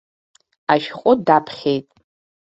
Ашәҟәы даԥхьеит.